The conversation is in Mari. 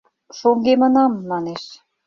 — Шоҥгемынам, манеш.